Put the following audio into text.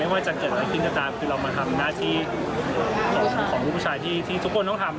ว่าจะเกิดอะไรขึ้นก็ตามคือเรามาทำหน้าที่ของลูกผู้ชายที่ทุกคนต้องทำ